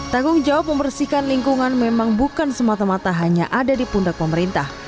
tanggung jawab membersihkan lingkungan memang bukan semata mata hanya ada di pundak pemerintah